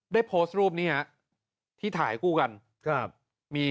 ได้โพสต์รูปนี้ที่ถ่ายให้กูกัน